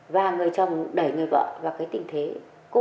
và người chồng đẩy người vợ vào cái tình thế cô đậm